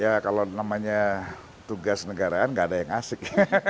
ya kalau namanya tugas negaraan nggak ada yang asik